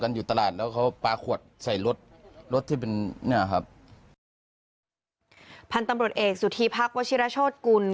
พันธุ์ตำรวจเอกสุธีพักวชิรโชธกุล